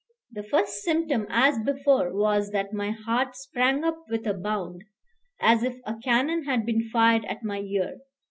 The first symptom; as before, was that my heart sprang up with a bound, as if a cannon had been fired at my ear.